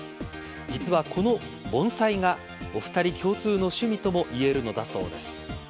実は、この盆栽がお二人共通の趣味とも言えるのだそうです。